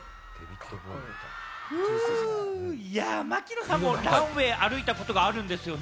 槙野さんもランウェイ歩いたことがあるんですよね？